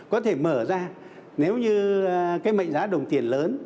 có thể mở ra nếu như cái mệnh giá đồng tiền lớn